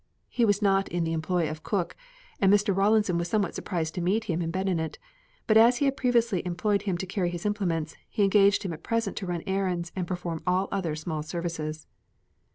He was not in the employ of Cook, and Mr. Rawlinson was somewhat surprised to meet him in Medinet, but as he had previously employed him to carry his implements, he engaged him at present to run errands and perform all other small services.